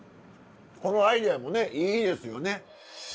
このアイデアもいいですよね。